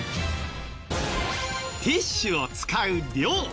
ティッシュを使う量。